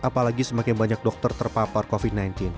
apalagi semakin banyak dokter terpapar covid sembilan belas